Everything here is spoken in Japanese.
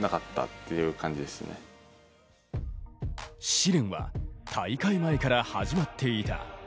試練は、大会前から始まっていた。